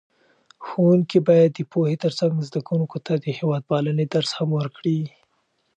ښوونکي باید د پوهې ترڅنګ زده کوونکو ته د هېوادپالنې درس هم ورکړي.